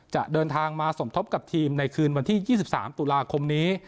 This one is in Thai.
จะเดินทางมาสมทบกับทีมในคืนวันที่๒๓ตุลาคมนี้